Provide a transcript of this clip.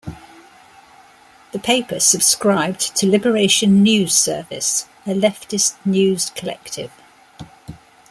The paper subscribed to Liberation News Service, a leftist news collective.